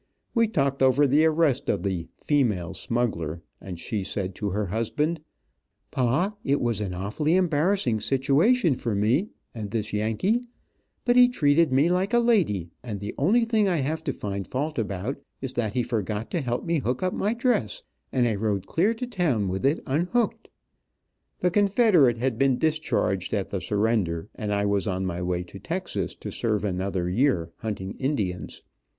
We talked over the arrest of the "female smuggler," and she said to her husband, "Pa, it was an awfully embarrassing situation for me and this Yankee, but he treated me like a lady, and the only thing I have to find fault about, is that he forgot to help me hook up my dress, and I rode clear to town with it unhooked." The Confederate had been discharged at the surrender, and I was on my way to Texas, to serve another year, hunting Indians.